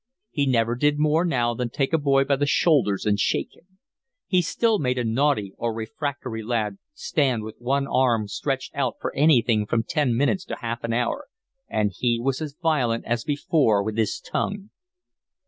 He never did more now than take a boy by the shoulders and shake him. He still made a naughty or refractory lad stand with one arm stretched out for anything from ten minutes to half an hour, and he was as violent as before with his tongue.